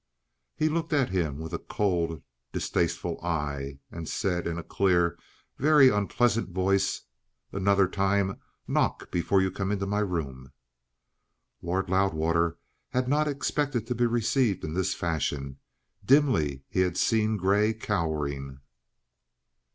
He looked at him with a cold, distasteful eye, and said in a clear, very unpleasant voice: "Another time knock before you come into my room." Lord Loudwater had not expected to be received in this fashion; dimly he had seen Grey cowering.